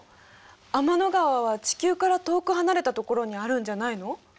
天の川は地球から遠く離れたところにあるんじゃないの？